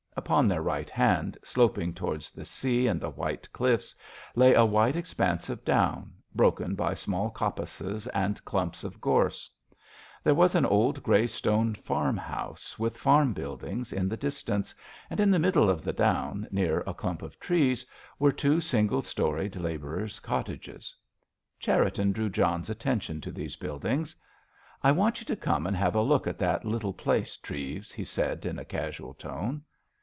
Upon their right hand, sloping towards the sea and the white cliffs, lay a wide expanse of down, broken by small coppices and clumps of gorse. There was an old grey stone farm house, with farm buildings, in the distance and in the middle of the down, near a clump of trees, were two single storied labourers' cottages. Cherriton drew John's attention to these buildings. "I want you to come and have a look at that little place, Treves," he said, in a casual tone.